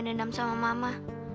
dendam sama mama